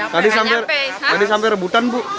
tadi sampai rebutan bu